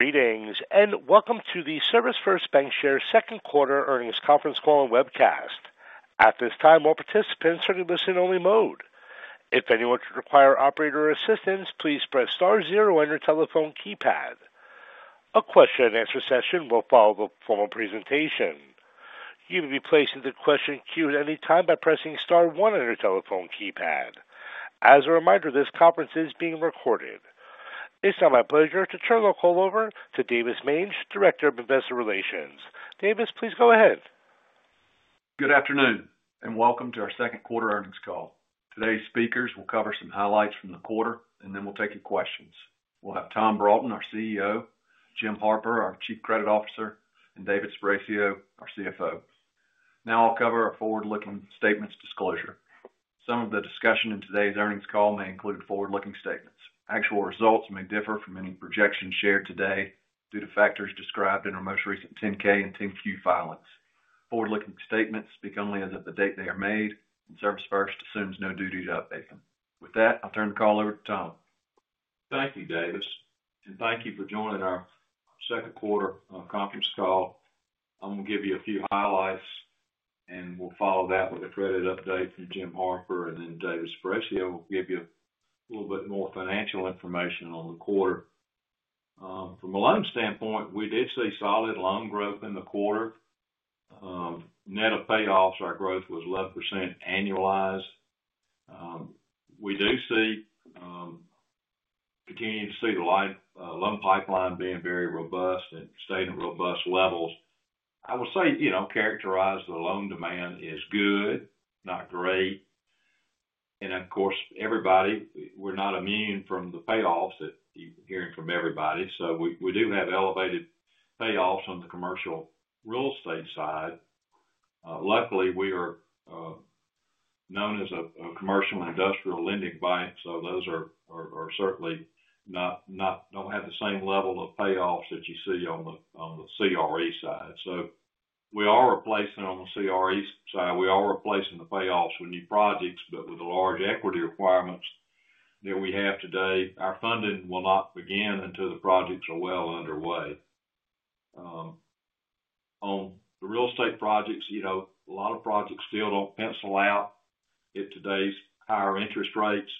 Greetings and welcome to the ServisFirst Bancshares second quarter earnings conference call and webcast. At this time, all participants are in listen-only mode. If anyone should require operator assistance, please press Star 0 on your telephone keypad. A question and answer session will follow the formal presentation. You may be placed into the question queue at any time by pressing Star 1 on your telephone keypad. As a reminder, this conference is being recorded. It's now my pleasure to turn the call over to Davis Mange, Director of Investor Relations. Davis, please go ahead. Good afternoon and welcome to our second quarter earnings call. Today's speakers will cover some highlights from the quarter and then we'll take your questions. We'll have Tom Broughton, our CEO, Jim Harper, our Chief Credit Officer, and David Sparacio, our CFO. Now I'll cover a forward looking statements disclosure. Some of the discussion in today's earnings call may include forward looking statements. Actual results may differ from any projections shared today due to factors described in our most recent 10-K and 10-Q filings. Forward looking statements speak only as of the date they are made and ServisFirst assumes no duty to update them. With that, I'll turn the call over to Tom. Thank you Davis and thank you for joining our second quarter conference call. I'm going to give you a few highlights and we'll follow that with a credit update from Jim Harper and then David Sparacio will give you a little bit more financial information on the quarter. From a loan standpoint, we did see solid loan growth in the quarter. Net of payoffs, our growth was 11% annualized. We do continue to see the loan pipeline being very robust and staying at robust levels. I will say, you know, characterize the loan demand as good, not great. Of course, we're not immune from the payoffs that you're hearing from everybody. We do have elevated payoffs on the commercial real estate side. Luckily, we are known as a commercial and industrial lending bank. Those certainly do not have the same level of payoffs that you see on the CRE side. We are replacing, on the CRE side, we are replacing the payoffs with new projects. With the large equity requirements that we have today, our funding will not begin until the projects are well underway. On the real estate projects, a lot of projects still don't pencil out at today's higher interest rates.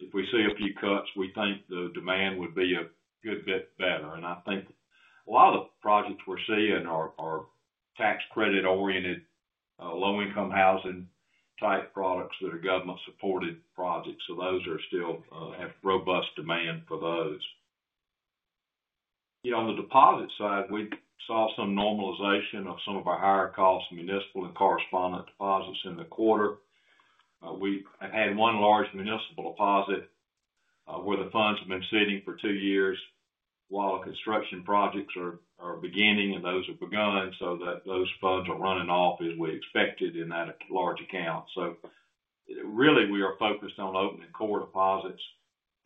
If we see a few cuts, we think the demand would be a good bit better. I think a lot of projects we're seeing are tax credit oriented, low income housing type products that are government supported projects. Those still have robust demand. On the deposit side, we saw some normalization of some of our higher cost municipal and correspondent deposits in the quarter. We have had one large municipal deposit where the funds have been sitting for two years while construction projects are beginning, and those have begun so that those funds are running off as we expected in that large account. We are focused on opening core deposit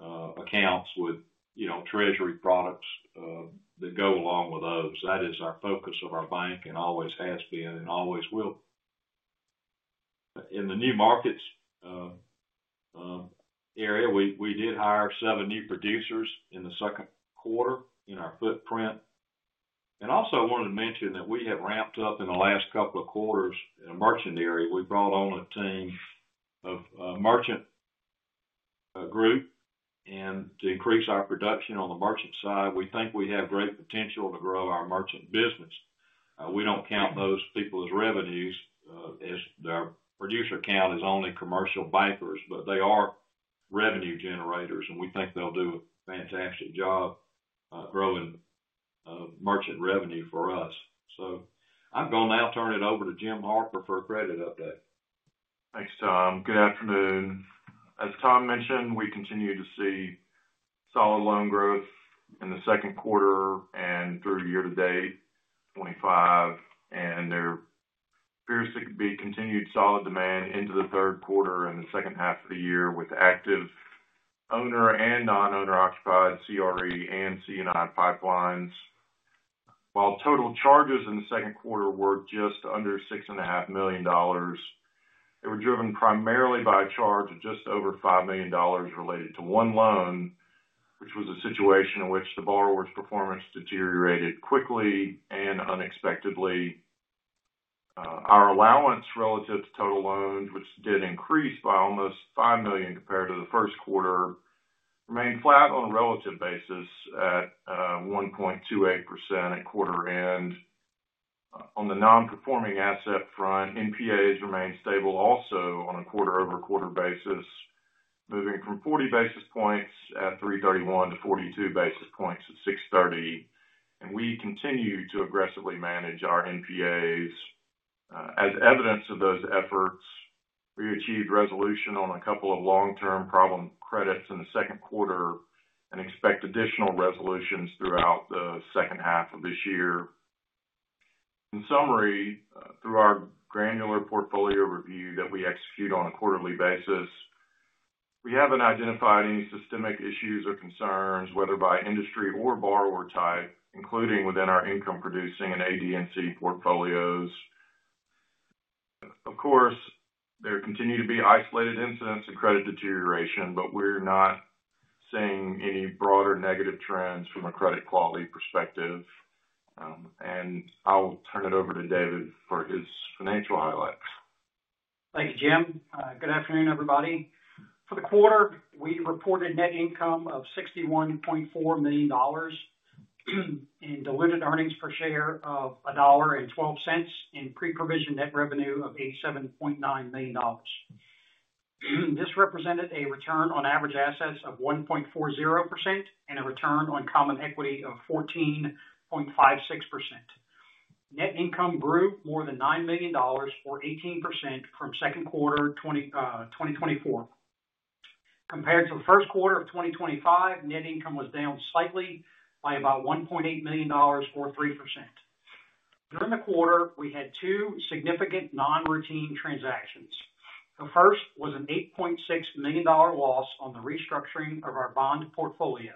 accounts with, you know, Treasury products that go along with those. That is our focus of our bank and always has been and always will be in the new markets area. We did hire seven new producers in the second quarter in our footprint, and also I wanted to mention that we have ramped up in the last couple of quarters in a Merchant area. We brought on a team of Merchant group to increase our production on the Merchant side. We think we have great potential to grow our Merchant business. We don't count those people as revenues, as their producer count is only commercial bankers, but they are revenue generators and we think they'll do a fantastic job growing Merchant revenue for us. I'm going to now turn it over to Jim Harper for a credit update. Thanks Tom. Good afternoon. As Tom mentioned, we continue to see solid loan growth in the second quarter and through year to date 2025, and there appears to be continued solid demand into the third quarter and the second half of the year with active owner and non-owner occupied CRE and C&I pipelines. While total charge-offs in the second quarter were just under $6.5 million, they were driven primarily by a charge-off of just over $5 million related to one loan, which was a situation in which the borrower's performance deteriorated quickly and unexpectedly. Our allowance relative to total loans, which did increase by almost $5 million, compared. To the first quarter remained flat. A relative basis at 1.28% at quarter end. On the nonperforming asset front, NPAs remained stable also on a quarter-over-quarter basis, moving from 40 basis points at 3/31 to 42 basis points at 6/30. We continue to aggressively manage our NPAs. As evidence of those efforts, we achieved resolution on a couple of long-term problem credits in the second quarter and expect additional resolutions throughout the second half of this year. In summary, through our granular portfolio review that we execute on a quarterly basis, we haven't identified any systemic issues or concerns whether by industry or borrower type, including within our income producing and AD&C portfolios. Of course, there continue to be isolated incidents and credit deterioration, but we're not seeing any broader negative trends from a credit quality perspective and I'll turn it over to David for his financial highlights. Thank you, Jim. Good afternoon everybody. For the quarter we reported net income of $61.4 million, diluted earnings per share of $1.12, and pre-provision net revenue of $87.9 million. This represented a return on average assets of 1.40% and a return on common equity of 14.56%. Net income grew more than $9 million or 18% from second quarter 2024 compared to the first quarter of 2025. Net income was down slightly by about $1.8 million or 3%. During the quarter we had two significant non-routine transactions. The first was an $8.6 million loss on the restructuring of our bond portfolio.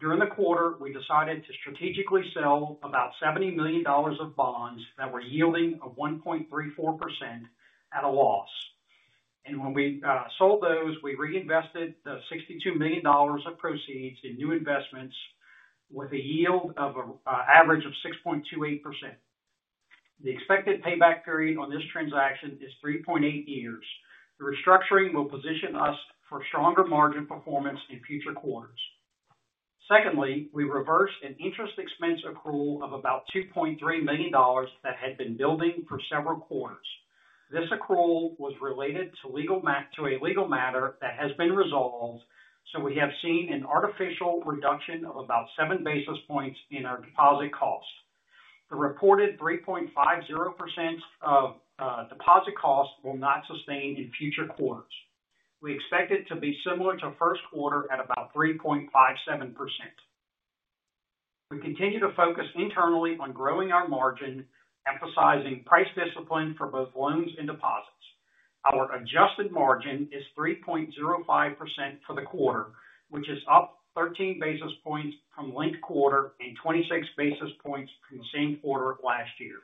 During the quarter we decided to strategically sell about $70 million of bonds that were yielding 1.34% at a loss, and when we sold those we reinvested the $62 million of proceeds in new investments with a yield average of 6.28%. The expected payback period on this transaction is 3.8 years. The restructuring will position us for stronger margin performance in future quarters. Secondly, we reversed an interest expense accrual of about $2.3 million that had been building for several quarters. This accrual was related to a legal matter that has been resolved, so we have seen an artificial reduction of about 7 basis points in our deposit cost. The reported 3.50% deposit cost will not sustain in future quarters. We expect it to be similar to first quarter at about 3.57%. We continue to focus internally on growing our margin, emphasizing price discipline for both loans and deposits. Our adjusted margin is 3.05% for the quarter, which is up 13 basis points from linked quarter and 26 basis points from the same quarter last year.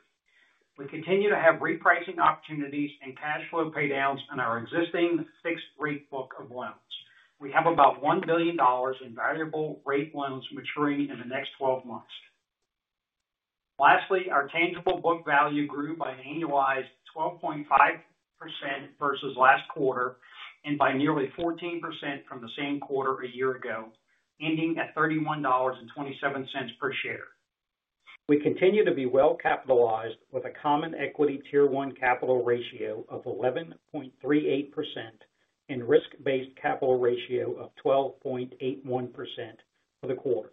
We continue to have repricing opportunities and cash flow paydowns in our existing fixed rate book of loans. We have about $1 billion in variable rate loans maturing in the next 12 months. Lastly, our tangible book value grew by an annualized 12.5% versus last quarter and by nearly 14% from the same quarter a year ago, ending at $31.27 per share. We continue to be well capitalized with a common equity tier 1 capital ratio of 11.38% and risk-based capital ratio of 12.81% for the quarter.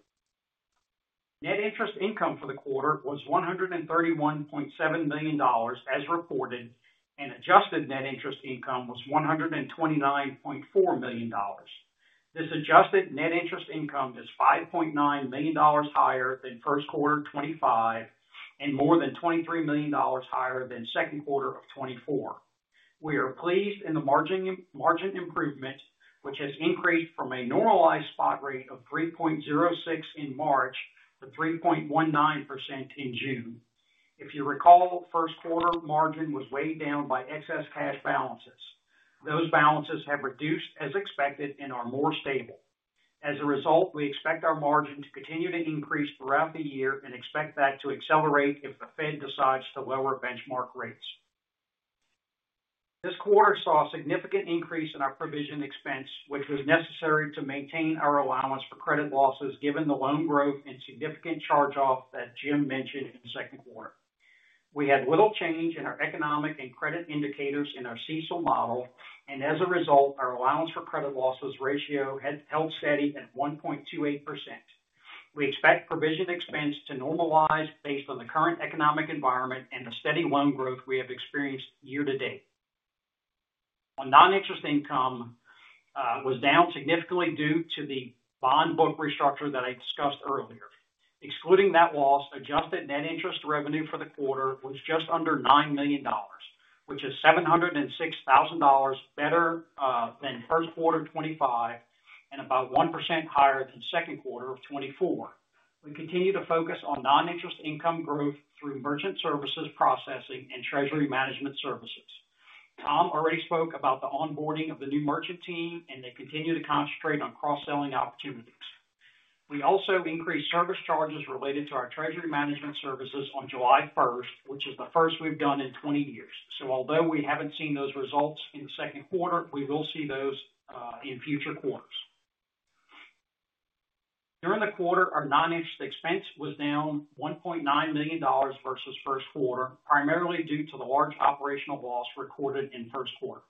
Net interest income for the quarter was $131.7 million as reported, and adjusted net interest income was $129.4 million. This adjusted net interest income is $5.9 million higher than first quarter 2025 and more than $23 million higher than second quarter 2024. We are pleased in the margin improvement which has increased from a normalized spot rate of 3.06% in March to 3.19% in June. If you recall, first quarter margin was weighed down by excess cash balances. Those balances have reduced as expected and are more stable as a result. We expect our margin to continue to increase throughout the year and expect that to accelerate if the Fed decides to lower benchmark rates. This quarter saw a significant increase in our provision expense which was necessary to maintain our allowance for credit losses given the loan growth and significant charge-off that Jim mentioned. In the second quarter we had little change in our economic and credit indicators in our CECL model and as a result our allowance for credit losses ratio had held steady at 1.28%. We expect provision expense to normalize based on the current economic environment and the steady loan growth we have experienced year to date. Noninterest income was down significantly due to the bond book restructure that I discussed earlier. Excluding that loss, adjusted net interest revenue for the quarter was just under $9 million which is $706,000 better than 1st quarter of 2025 and about 1% higher than 2nd quarter of 2024. We continue to focus on noninterest income growth through Merchant Services processing and Treasury services. Tom already spoke about the onboarding of the new Merchant team and they continue to concentrate on cross selling opportunities. We also increased service charges related to our Treasury Management services on July 1 which is the first we've done in 20 years. Although we haven't seen those results in the second quarter, we will see those in future quarters. During the quarter our noninterest expense was down $1.9 million versus first quarter primarily due to the large operational loss recorded in first quarter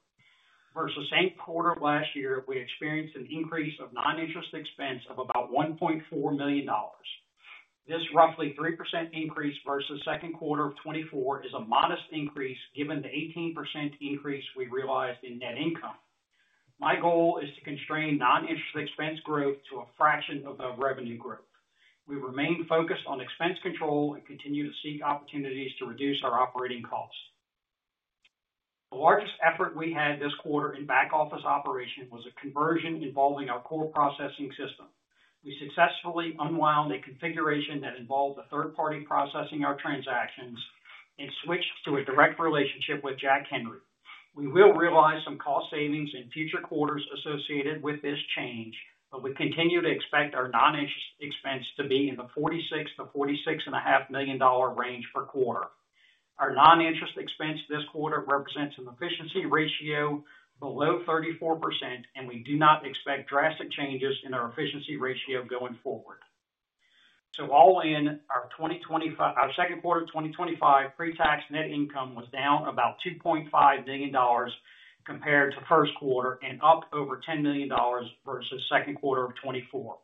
versus same quarter. Last year we experienced an increase of noninterest expense of about $1.4 million. This roughly 3% increase versus second quarter of 2024 is a modest increase given the 18% increase we realized in net income. My goal is to constrain noninterest expense growth to a fraction above revenue growth. We remain focused on expense control and continue to seek opportunities to reduce our operating costs. The largest effort we had this quarter in back office operation was a conversion involving our core processing system. We successfully unwound a configuration that involved a third party processing our transactions and switched to a direct relationship with Jack Henry. We will realize some cost savings in future quarters associated with this change. We continue to expect our noninterest expense to be in the $46 million-$46.5 million range per quarter. Our noninterest expense this quarter represents an efficiency ratio below 34%. We do not expect drastic changes in our efficiency ratio going forward. All in, our second quarter 2025 pre-tax net income was down about $2.5 million compared to first quarter and up over $10 million versus second quarter of 2024.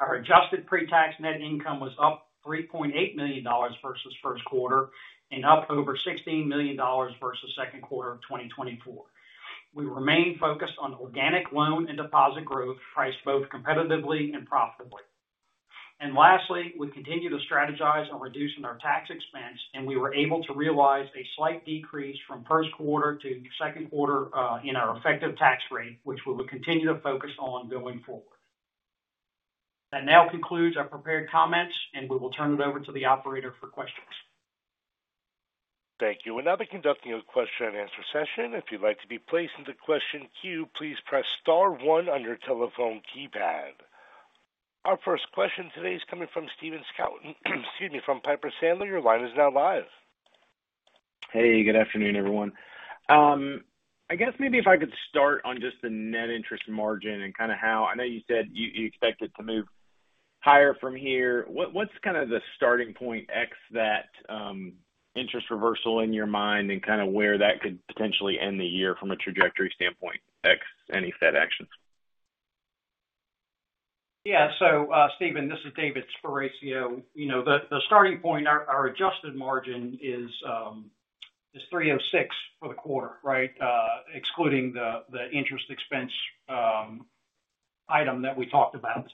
Our adjusted pre-tax net income was up $3.8 million versus first quarter and up over $16 million versus second quarter of 2024. We remain focused on organic loan and deposit growth priced both competitively and profitably. Lastly, we continue to strategize on reducing our tax expense and we were able to realize a slight decrease from first quarter to second quarter tax rate which we will continue to focus on going forward. That now concludes our prepared comments and we will turn it over to the operator for questions. Thank you. We will now be conducting a question and answer session. If you'd like to be placed into the question queue, please press star 1 on your telephone keypad. Our first question today is coming from Stephen Scouten from Piper Sandler. Your line is now live. Hey, good afternoon everyone. I guess if I could start. On just the net interest margin and kind of how I know you said you expect it to move higher from here. What's kind of the starting point? That interest reversal in your mind and kind of where that could potentially end the year from a trajectory standpoint. Any Fed actions. Yeah. Stephen, this is David Sparacio. The starting point, our adjusted margin is 3.06% for the quarter, right, excluding the interest expense item that we talked about.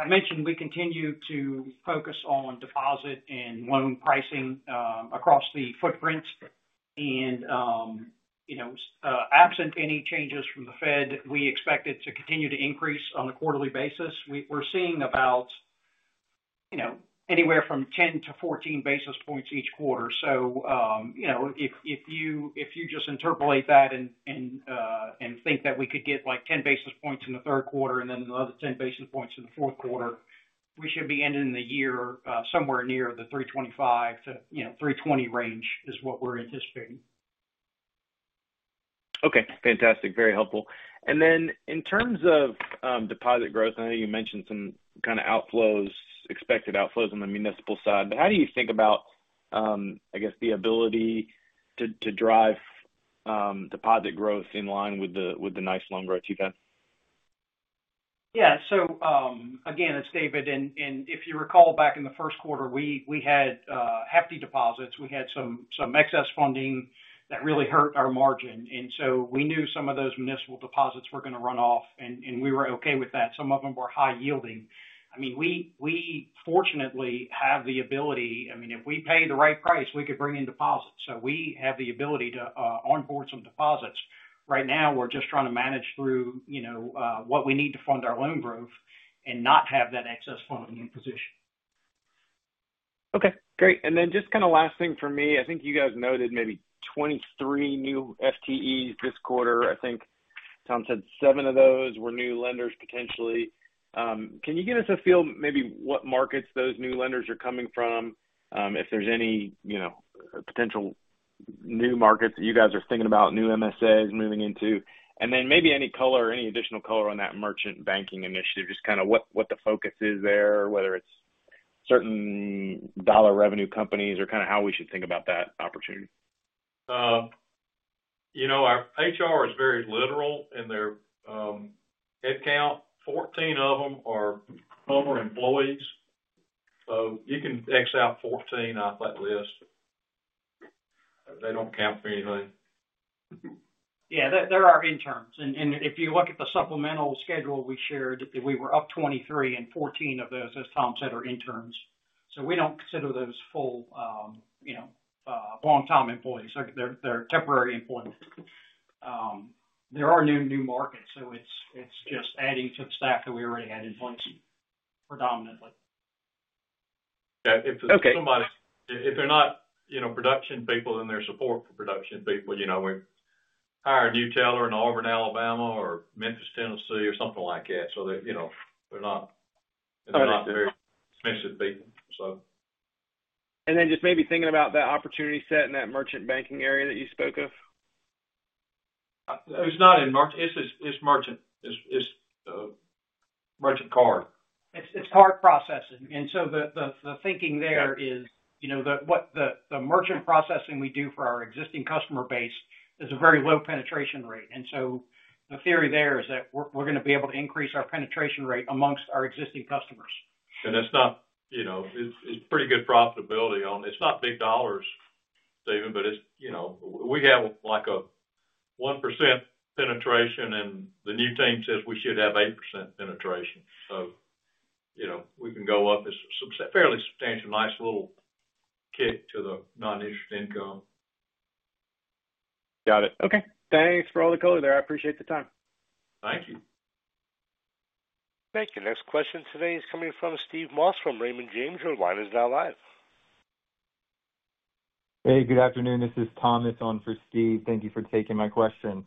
I mentioned we continue to focus on deposit and loan pricing across the footprint, and absent any changes from the Fed, we expect it to continue to increase on a quarterly basis. We're seeing about anywhere from 10-14 basis points each quarter. If you just interpolate that and think that we could get like 10 basis points in the third quarter and then another 10 basis points in the fourth quarter, we should be ending the year somewhere near the 3.25%-3.20% range is what we're anticipating. Okay, fantastic, very helpful. In terms of deposit growth, I know you mentioned some kind of outflows, expected outflows on the municipal side, but how do you think about the ability to drive deposit growth in line with the nice loan growth you've had. Yeah. Again, it's David. If you recall, back in the first quarter, we had hefty deposits. We had some excess funding that really hurt our margin, and we knew some of those municipal deposits were going to run off, and we were okay with that. Some of them were high yielding. We fortunately have the ability, if we pay the right price, we could bring in deposits. We have the ability to onboard some deposits. Right now, we're just trying to manage through what we need to fund our loan growth and not have that excess funding in position. Okay, great. Just kind of last thing. For me, I think you guys noted maybe 23 new FTEs this quarter. I think Tom said seven of those were new lenders potentially. Can you give us a feel maybe what markets those new lenders are coming from? If there's any potential new markets that you guys are thinking about, new MSAs moving into, and then maybe any color, any additional color on that Merchant Banking initiative. Just kind of what the focus. Is there, whether it's certain dollar revenue? Companies or kind of how we should. Think about that opportunity. You know, our HR is very literal in their head count. Fourteen of them are employees, so you can X out 14 off that list. They don't count for anything. Yeah, there are interns, and if you look at the supplemental schedule we shared, we were up 23, and 14 of those, as Tom said, are interns. We don't consider those full, you know, long-time employees. They're temporary employment. There are new markets. It's just adding to the stack that we already had in place predominantly. Okay. If they're not production people and they're support for production people, we hire a new teller in Auburn, Alabama or Memphis, Tennessee or something like that, they're not very expensive people. Maybe thinking about. That opportunity set in that Merchant Banking Area that you spoke of. It's not in, it's Merchant, it's Merchant card, it's card processing. The thinking there is, you know, the Merchant processing we do for our existing customer base is a very low penetration rate. The theory there is that we're going to be able to increase our penetration rate amongst our existing customers. It's not, you know, it's pretty good profitability on, it's not big dollars, but it's, you know, we have like a 1% penetration and the new team says we should have 8% penetration. You know, we can go up. It's fairly substantial. Nice little kick to the noninterest income. Got it. Okay. Thanks for all the color there. I appreciate the time. Thank you. Thank you. Next question today is coming from Steve Moss from Raymond James. Your line is now live. Hey, good afternoon, this is Thomas on for Steve. Thank you for taking my question.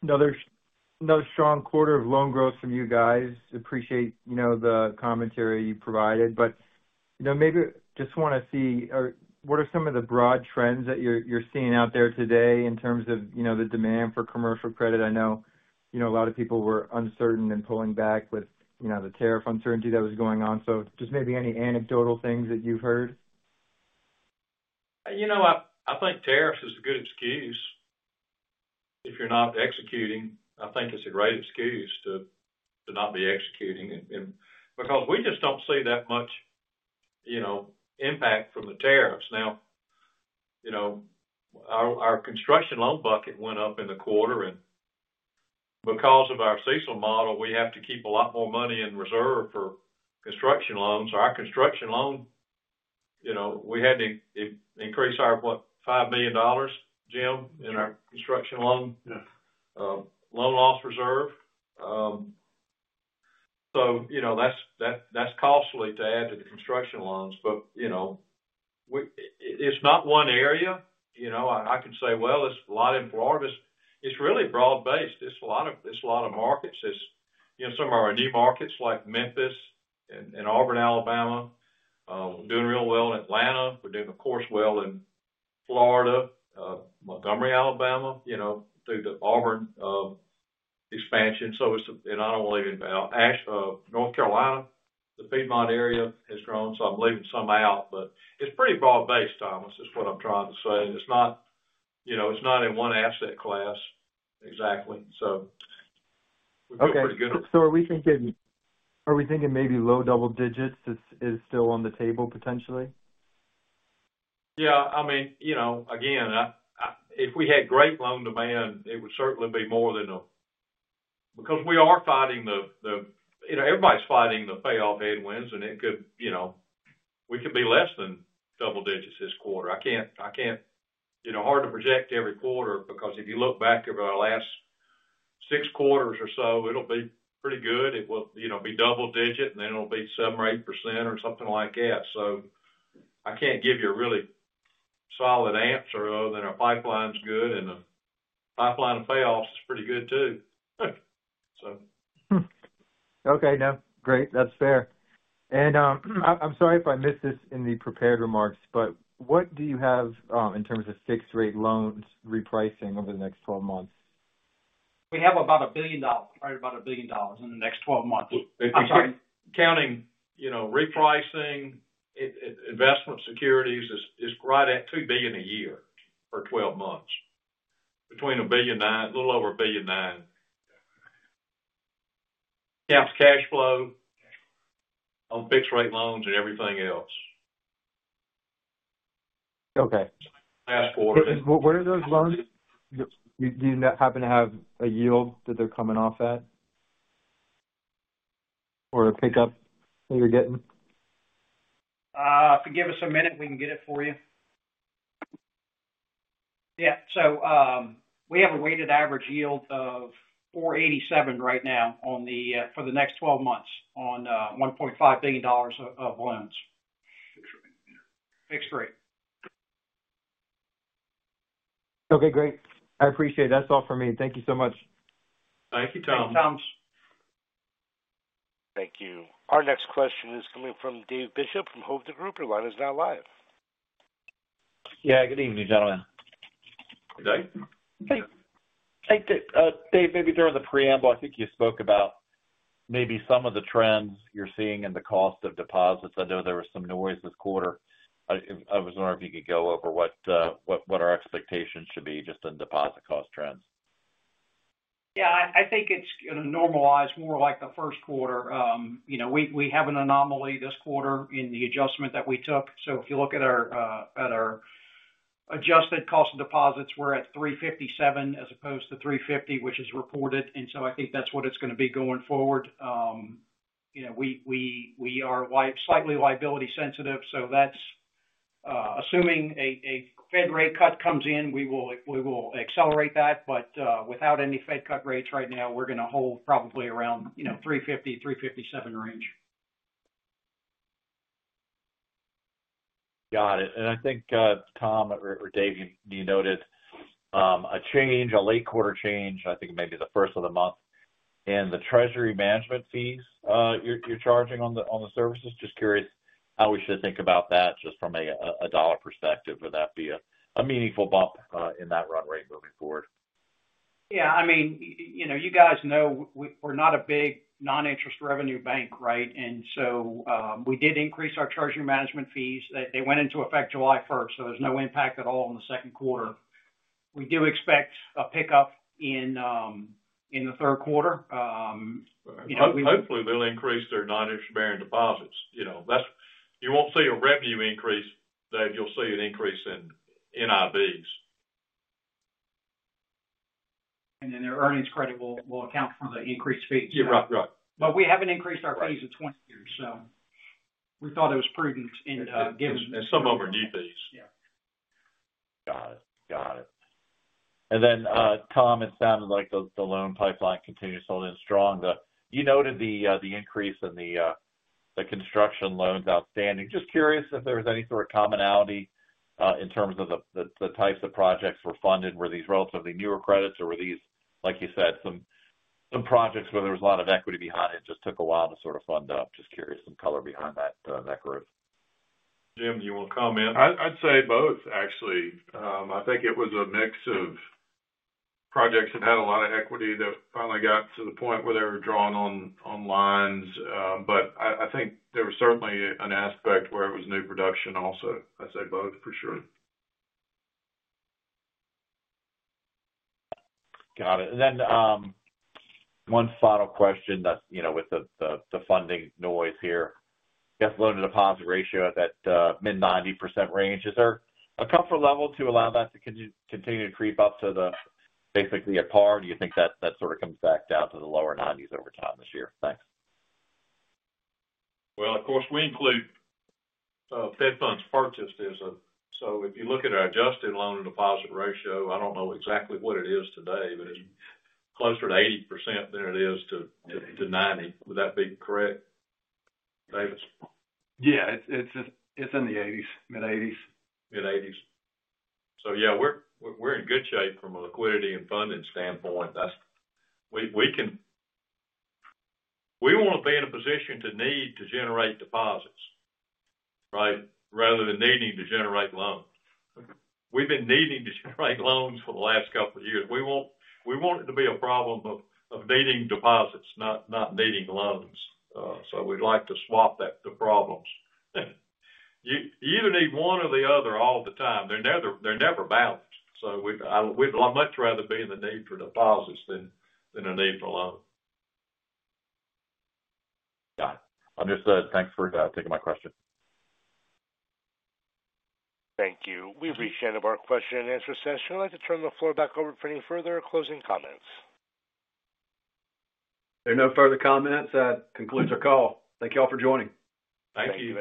Another strong quarter of loan growth from you guys. Appreciate the commentary you provided. Maybe just want to see what are some of the broad trends that you're seeing out there today in terms of the demand for commercial credit. I know a lot of people were uncertain and pulling back with the tariff uncertainty that was going on. Maybe any anecdotal things that. You'Ve heard. I think tariffs. It's a good excuse if you're not executing. I think it's a great excuse to not be executing because we just don't see that much impact from the tariffs now. Our construction loan bucket went up in the quarter, and because of our CECL model, we have to keep a lot more money in reserve for construction loans. Our construction loan, we had to increase our, what, $5 million, Jim, in our construction loan loan loss reserve. That's costly to add to the construction loans. It's not one area, I could say, it's a lot in Florida. It's really broad based. It's a lot of markets. It's some of our new markets like Memphis and Auburn, Alabama, doing real well in Atlanta, we're doing, of course, well in Florida, Montgomery, Alabama, through the Auburn expansion. I don't believe in Asheville, North Carolina, the Piedmont area has grown, so I'm leaving some out. It's pretty broad based, Thomas, is what I'm trying to say. It's not in one asset class exactly. So. Okay, are we thinking, are we? Thinking maybe low double digits? This is still on the table, potentially? Yeah. I mean, if we had great loan demand, it would certainly be more than that because we are fighting the, you know, everybody's fighting the payoff headwinds. It could, you know, we could be less than double digits this quarter. I can't, you know, hard to project every quarter because if you look back over the last six quarters or so, it'll be pretty good. It will be double digit and then it'll be 7% or 8% or something like that. I can't give you a really solid answer other than our pipeline's good and the pipeline of payoffs is pretty good too. So. Okay, no, great, that's fair. I'm sorry if I missed this in the prepared remarks, but what do you have in terms of fixed rate loans repricing over the next 12 months? We have about $1 billion. Right. About $1 billion in the next 12 months counting. You know, repricing investment securities is right at $2 billion a year for 12 months, between $1.9 billion, a little over $1.9 billion. Caps cash flow. On fixed rate loans and everything else. Okay. Last quarter, what are those loans? Do you happen to have a yield that they're coming off at? Are you getting a pickup? If you give us a minute, we can get it for you. We have a weighted average yield of 4.87% right now for the next 12 months on $1.5 billion of loans, fixed rate. Okay, great. I appreciate it. That's all for me. Thank you so much. Thank you, Tom. Thank you. Our next question is coming from Dave. Bishop from Hovde Group Your line is now live. Yeah. Good evening, gentlemen. David, maybe during the preamble, I think. You spoke about maybe some of the trends you're seeing in the cost of deposits. I know there was some noise this quarter. I was wondering if you could go over what our expectations should be just in deposit cost trends. Yeah, I think it's going to normalize more like the first quarter. We have an anomaly this quarter in the adjustment that we took. If you look at our adjusted cost of deposits, we were at 3.57% as opposed to 3.50% which is reported. I think that's what it's going to be going forward. We are slightly liability sensitive. That's assuming a Fed rate cut comes in. We will accelerate that, but without any Fed cut rates right now, we're going to hold probably around 3.50%, 3.57% range. Got it. I think Tom or David, you noted a change, a late quarter change, I think maybe the first of the month. The Treasury Management fees you're charging on the services—just curious how we should think about that just from a dollar perspective. Would that be a meaningful bump in that run rate moving forward? Yeah, I mean, you guys know we're not a big noninterest revenue bank, right? We did increase our Treasury Management fees. They went into effect July 1, so there's no impact at all in the second quarter. We do expect a pickup in the third quarter. Hopefully they'll increase their noninterest bearing deposits. You know, that's, you won't see a revenue increase, Dave. You'll see an increase in NIB. And. Their earnings credit will account for the increased fees. We haven't increased our fees in 20 years, so we thought it was prudent and given. Some of them are due fees. Got it, got it. Tom, it sounded like the loan pipeline continues holding strong. You noted the increase in the construction loans outstanding. Just curious if there was any sort. Of commonality in terms of the types of projects were funded. Were these relatively newer credits, or were these, like you said, some projects where there was a lot of equity behind it, just took a while to sort of fund up. Just curious. Some color behind that group. Jim, you want to comment? I'd say both, actually. I think it was a mix of. Projects that had a lot of equity. That finally got to the point where. They were drawn on lines. I think there was certainly an. Aspect where it was new production also. I'd say both for sure. Got it. One final question, with the funding noise here. Yes, loan to deposit ratio at that mid 90% range. Is there a comfort level to allow? That to continue to creep up to basically a par. Do you think that sort of comes back down to the lower 90% over time this year? Thanks. Of course, we include fed funds purchased as a. If you look at our adjusted loan and deposit ratio, I don't know exactly what it is today, but it's closer to 80% than it is to 90%. Would that be correct, Davis? Yeah, it's in the 80s. Mid 80s. Mid 80s. We're in good shape from a liquidity and funding standpoint. We want to be in a position to need to generate deposits. Right. Rather than needing to generate loans, we've been needing to generate loans for the last couple of years. We want it to be a problem of needing deposits, not needing loans. We'd like to swap that to problems; you either need one or the other all the time. They're never balanced. We'd much rather be in the need for deposits than a need for loans. Got it. Understood. Thanks for taking my question. Thank you. We've reached the end of our question and answer session. I'd like to turn the floor back over for any further closing comments. There are no further comments. That concludes our call. Thank you all for joining. Thank you.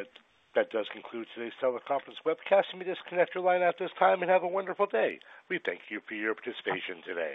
That does conclude today's teleconference webcast. You may disconnect your line at this time and have a wonderful day. We thank you for your participation today.